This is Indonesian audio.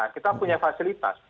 kita punya fasilitas